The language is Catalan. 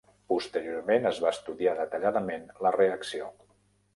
Posteriorment es va estudiar detalladament la reacció.